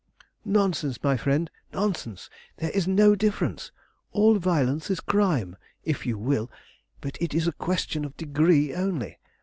"Nonsense, my friend, nonsense! There is no difference. All violence is crime, if you will, but it is a question of degree only.